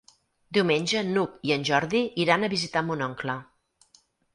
Diumenge n'Hug i en Jordi iran a visitar mon oncle.